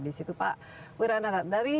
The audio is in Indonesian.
di situ pak wira natak dari